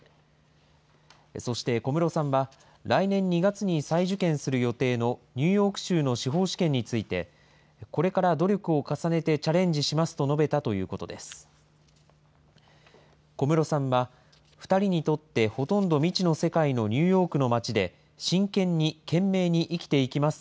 そして小室さんは、来年２月に再受験する予定のニューヨーク州の司法試験について、これから努力を重ねてチャレンジしますと述べたということです。